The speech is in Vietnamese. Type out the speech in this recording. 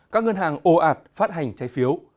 các ngân hàng ồ ạt phát hành trái phiếu